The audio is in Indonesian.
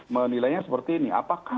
menilainya seperti ini apakah